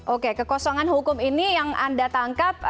oke kekosongan hukum ini yang anda tangkap